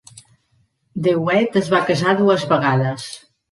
De Wet es va casar dues vegades.